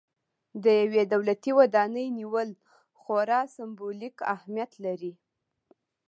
د یوې دولتي ودانۍ نیول خورا سمبولیک اهمیت لري.